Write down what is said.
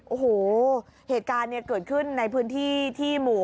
โอ้โหเหตุการณ์เนี่ยเกิดขึ้นในพื้นที่ที่หมู่